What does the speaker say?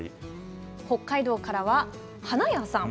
北海道からは花屋さん。